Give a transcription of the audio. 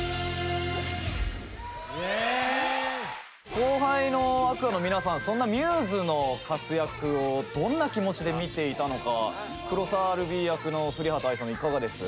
後輩のＡｑｏｕｒｓの皆さんそんなμ’ｓの活躍をどんな気持ちで見ていたのか黒澤ルビィ役の降幡愛さんいかがです？